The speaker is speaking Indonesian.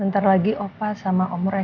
lintar sisi sehat tidurnya abang bité teriutin